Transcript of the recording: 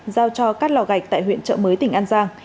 giao cho các lò gạch tại huyện trợ mới tỉnh an giang